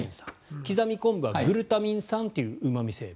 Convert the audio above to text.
刻み昆布はグルタミン酸といううま味成分。